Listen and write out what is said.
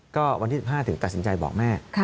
ก็วันที่๑๕ถึงตัดสินใจบอกแม่